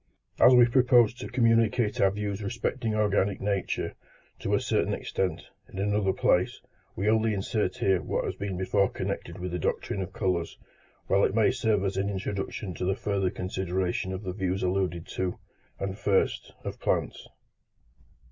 As we propose to communicate our views respecting organic nature, to a certain extent, in another place, we only insert here what has been before connected with the doctrine of colours, while it may serve as an introduction to the further consideration of the views alluded to: and first, of plants.